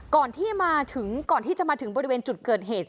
ก่อนที่มาถึงก่อนที่จะมาถึงบริเวณจุดเกิดเหตุ